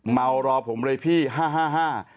เมารอผมเลยพี่ฮ่า